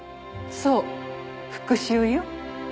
そう復讐よ。